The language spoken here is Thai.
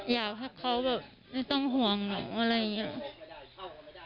อยากให้เขาแบบไม่ต้องห่วงหนูอะไรอย่างนี้